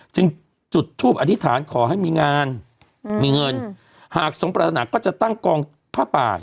จึงจุดทูปอธิษฐานขอให้มีงานมีเงินหากสมปรารถนาก็จะตั้งกองผ้าป่า